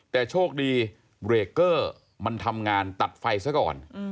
แต่โชคดีเบรกเกอร์มันทำงานตัดไฟซะก่อน